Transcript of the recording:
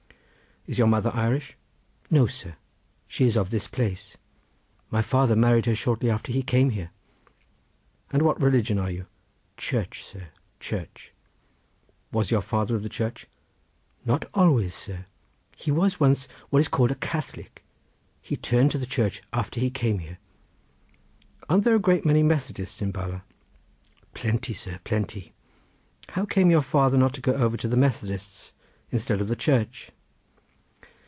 "Is your mother Irish?" "No, sir, she is of this place; my father married her shortly after he came here." "Of what religion are you?" "Church, sir, church." "Was your father of the church?" "Not always, sir; he was once what is called a Cartholic. He turned to the church after he came here." "A'n't there a great many Methodists in Bala?" "Plenty, sir, plenty." "How came your father not to go over to the Methodists instead of the church?"